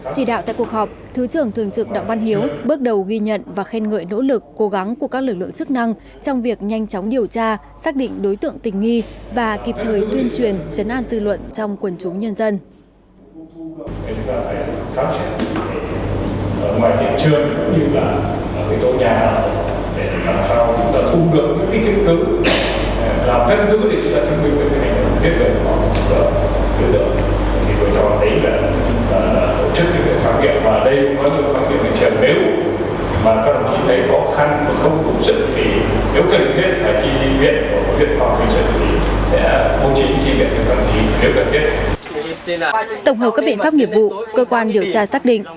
chỉ đạo tại cuộc họp thứ trưởng thường trực đặng văn hiếu bước đầu ghi nhận và khen ngợi nỗ lực cố gắng của các lực lượng chức năng trong việc nhanh chóng điều tra xác định đối tượng tình nghi và kịp thời tuyên truyền chấn an dư luận trong quần chúng nhân dân